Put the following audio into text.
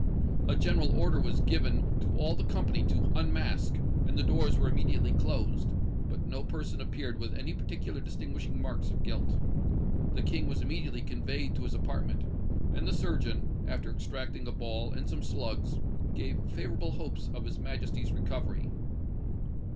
A general order was given to all the company to unmask, and the doors were immediately closed; but no person appeared with any particular distinguishing marks of guilt. The King was immediately conveyed to his apartment; and the surgeon, after extracting a ball and some slugs, gave favourable hopes of his Majesty's recovery.